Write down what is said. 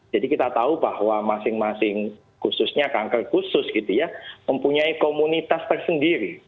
jadi kita tahu bahwa masing masing khususnya kanker khusus gitu ya mempunyai komunitas tersendiri